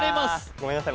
ごめんなさい